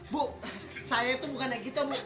bu saya tuh bukannya gitu